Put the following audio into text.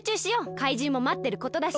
かいじんもまってることだし。